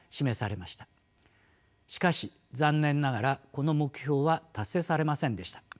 しかし残念ながらこの目標は達成されませんでした。